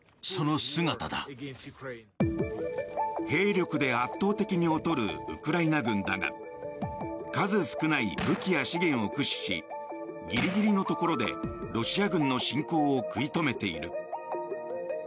兵力で圧倒的に劣るウクライナ軍だが数少ない武器や資源を駆使しギリギリのところでロシア軍の侵攻を食い止めている。